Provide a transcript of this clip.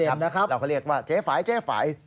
เราก็เรียกว่าเจฝ่ายเจฝ่าย